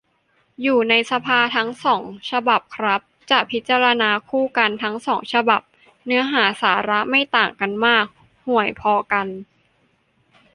อยู่ในสภาทั้งสองฉบับครับ จะพิจารณาคู่กัน ทั้งสองฉบับเนื้อหาสาระไม่ต่างกันมาก ห่วยพอกัน